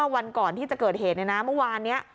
วันก่อนที่จะเกิดเหตุเนี่ยนะเมื่อวานนี้